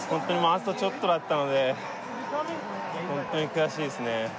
あとちょっとだったのでホントに悔しいですね